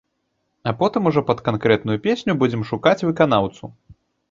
А потым ужо пад канкрэтную песню будзем шукаць выканаўцу.